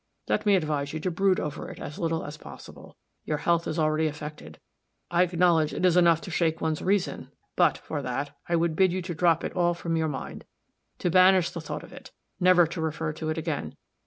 Let me advise you to brood over it as little as possible. Your health is already affected. I acknowledge it is enough to shake one's reason; but, for that, I would bid you to drop it all from your mind to banish the thought of it never to refer to it again.